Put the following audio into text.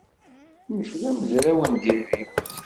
Nekk d amezraw n diri.